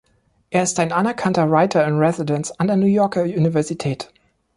Er ist ein anerkannter "Writer In Residence" an der New Yorker Universität.